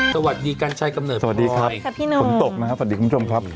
สวัสดีกันชายกำเนิดพลอยสวัสดีครับคุณตกนะครับสวัสดีคุณผู้ชมครับ